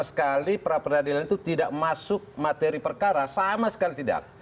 sekali pra peradilan itu tidak masuk materi perkara sama sekali tidak